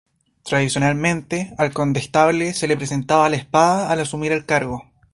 Tradicionalmente, al condestable se le presentaba la espada al asumir el cargo.